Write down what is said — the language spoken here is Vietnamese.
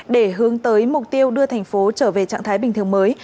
để hướng tới mục tiêu đưa thành phố trở về trạng thái bình thường mới